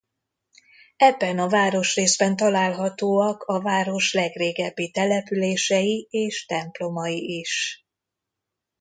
Ebben a városrészben találhatóak a város legrégebbi települései és templomai is.